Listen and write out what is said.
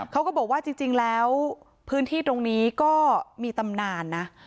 เขาก็บอกว่าจริงแล้วพื้นที่ตรงนี้ก็มีตำนานนะ